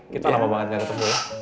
kita lama banget gak ketemu bola